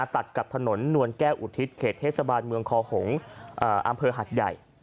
ตัดกับถนนนวลแก้วอุทิศเขตเทศบาลเมืองคอหงษ์อำเภอหัดใหญ่